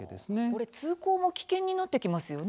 これ通行も危険になってきますよね。